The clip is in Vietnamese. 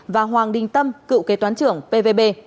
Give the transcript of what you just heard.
và hoàng đinh tâm cựu kế toán trưởng pvb